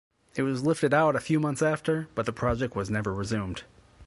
It was lifted out a few months after, but the project was never resumed.